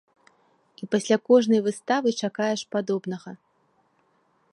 І пасля кожнай выставы чакаеш падобнага.